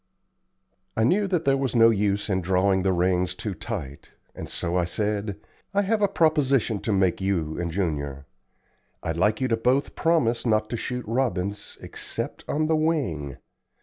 I knew that there was no use in drawing the reins too tight, and so I said: "I have a proposition to make to you and Junior. I'd like you both to promise not to shoot robins except on the wing.